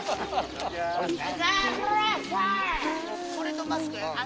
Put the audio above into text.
これとマスク。